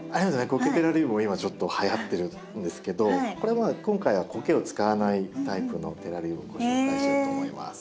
コケテラリウムも今ちょっとはやってるんですけどこれは今回はコケを使わないタイプのテラリウムをご紹介しようと思います。